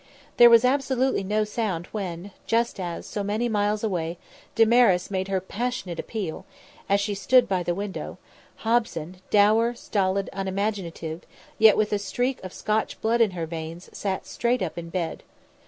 There was absolutely no sound when, just as, so many miles away, Damaris made her passionate appeal, as she stood by the window, Hobson, dour, stolid, unimaginative, yet with a streak of Scotch blood in her veins, sat straight up in bed.